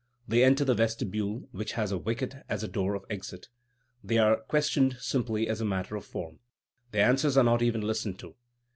They enter the vestibule, which has a wicket as a door of exit. They are questioned simply as a matter of form. Their answers are not even listened to.